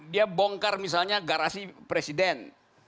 dia bongkar misalnya garasi presiden